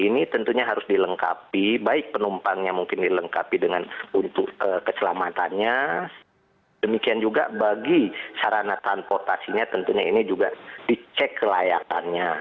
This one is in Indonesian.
ini tentunya harus dilengkapi baik penumpangnya mungkin dilengkapi dengan untuk keselamatannya demikian juga bagi sarana transportasinya tentunya ini juga dicek kelayakannya